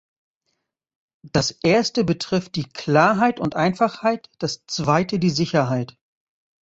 Das erste betrifft die Klarheit und Einfachheit, das zweite die Sicherheit.